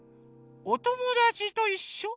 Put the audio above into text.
おともだちといっしょ？